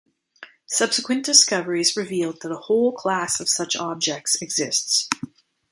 Subsequent discoveries revealed that a whole class of such objects exists.